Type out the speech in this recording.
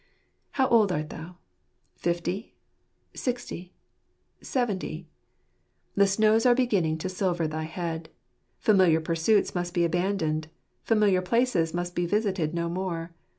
How old art thou ? Fifty ? Sixty ? Seventy ? The snows are beginning to silver thy head. Familiar pursuits must be abandoned. Familiar places must be visited no more.